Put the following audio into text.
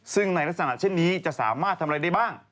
ซึ่งในลักษณะเช่นนี้จะสามารถทำอะไรได้บ้าง